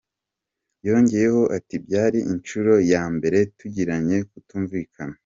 Yongeyeho ati “Byari inshuro ya mbere tugiranye kutumvikana.